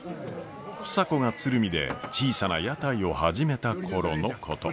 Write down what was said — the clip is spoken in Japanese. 房子が鶴見で小さな屋台を始めた頃のこと。